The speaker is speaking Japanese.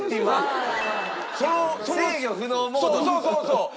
そうそうそう！